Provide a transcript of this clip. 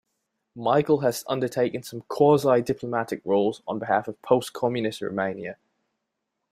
Michael has undertaken some quasi-diplomatic roles on behalf of post-communist Romania.